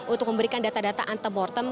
untuk memberikan data data antemortem